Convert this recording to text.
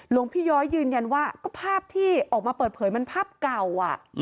หลวงพี่ย้อยยืนยันว่าก็ภาพที่ออกมาเปิดเผยมันภาพเก่า